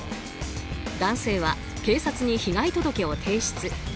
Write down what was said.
男性は警察に被害届を提出。